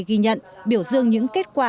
ghi nhận biểu dương những kết quả